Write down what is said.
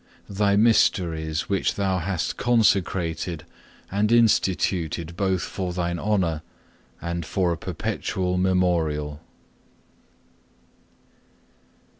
Thy mysteries, which Thou hast consecrated and instituted both for Thine own honour, and for a perpetual memorial.